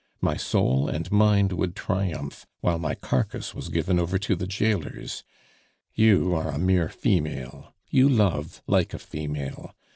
My soul and mind would triumph, while my carcase was given over to the jailers! You are a mere female; you love like a female!